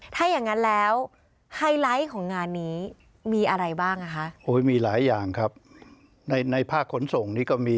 ถ้าอย่างนั้นแล้วไฮไลท์ของงานนี้มีอะไรบ้าง